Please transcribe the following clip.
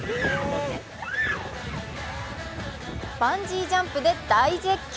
バンジージャンプで大絶叫。